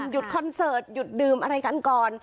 คอนเสิร์ตหยุดดื่มอะไรกันก่อน